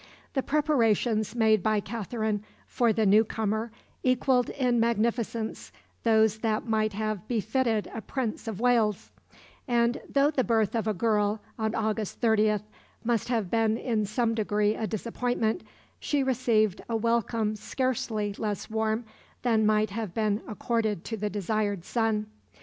The preparations made by Katherine for the new comer equalled in magnificence those that might have befitted a Prince of Wales; and though the birth of a girl, on August 30, must have been in some degree a disappointment, she received a welcome scarcely less warm than might have been accorded to the desired son.